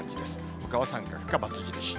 ほかは三角かバツ印。